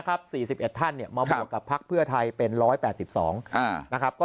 ครับ๔๑ท่านเนี่ยมาบวกกับพรรคเพื่อไทยเป็น๑๘๒นะครับก็